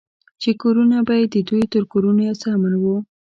چې کورونه به يې د دوى تر کورونو يو څه امن وو.